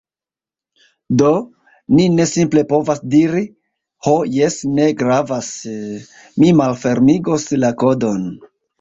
Do, ni ne simple povas diri, "Ho jes, ne gravas... ni malfermigos la kodon"